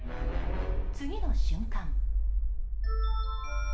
次の瞬間。